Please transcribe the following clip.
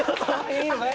いいのね？